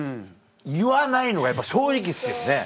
言わないのがやっぱ正直ですよね。